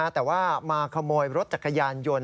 แต่ว่ามาขโมยรถจักรยานยนต์